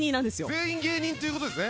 全員芸人っていうことですね。